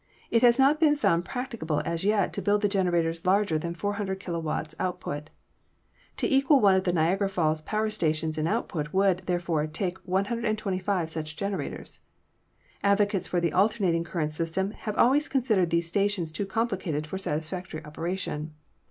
It has not been found practicable as yet to build the generators larger than 400 kw. output. To equal one of the Niagara Falls power stations in output would, therefore, take 125 such gen erators. Advocates of the alternating current system have always considered these stations too complicated for satisfactory operation.